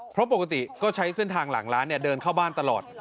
เพราะปกติก็ใช้เส้นทางหลังร้านเดินเข้าบ้านตลอด